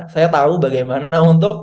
saya tahu bagaimana untuk